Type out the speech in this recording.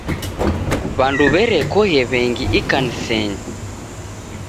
W'andu w'erekoghe w'engi ikanisenyi.